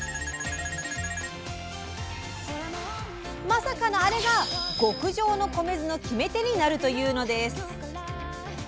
まさかのあれが極上の米酢の決め手になるというのです。